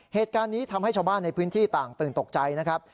เหตุการณ์นี้ทำให้ชาวบ้านในพื้นที่ต่างตื่นตกใจนะครับ